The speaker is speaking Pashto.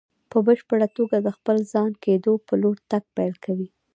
په بشپړ توګه د خپل ځان کېدو په لور تګ پيل کوي.